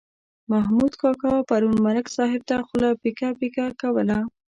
محمود کاکا پرون ملک صاحب ته خوله پیکه پیکه کوله.